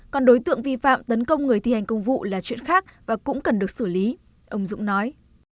còn đối tượng vi phạm tấn công người thi hành công vụ là chuyện khác và cũng cần được xử lý ông dũng nói